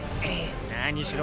何しろ